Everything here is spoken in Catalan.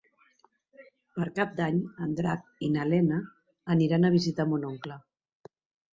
Per Cap d'Any en Drac i na Lena aniran a visitar mon oncle.